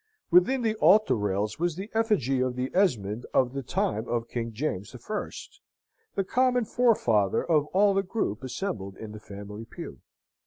Within the altar rails was the effigy of the Esmond of the time of King James the First, the common forefather of all the group assembled in the family pew.